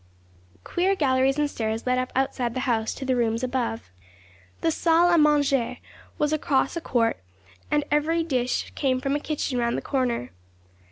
Queer galleries and stairs led up outside the house to the rooms above. The salle à manger was across a court, and every dish came from a kitchen round the corner.